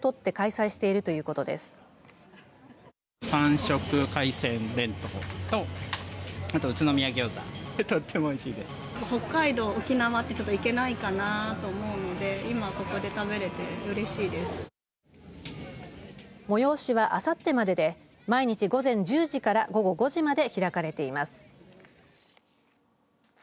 催しは、あさってまでで毎日午前１０時から午後５時まで開かれています。